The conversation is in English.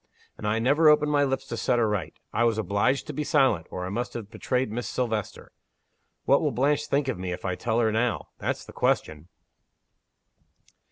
And I never opened my lips to set her right! I was obliged to be silent, or I must have betrayed Miss Silvester. What will Blanche think of me, if I tell her now? That's the question!"